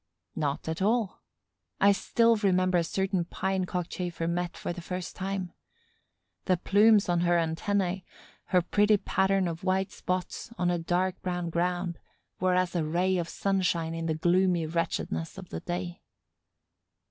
Not at all. I still remember a certain Pine Cockchafer met for the first time. The plumes on her antennæ, her pretty pattern of white spots on a dark brown ground, were as a ray of sunshine in the gloomy wretchedness of the day.